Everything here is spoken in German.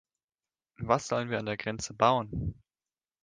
Was sollen wir an der Grenze bauen?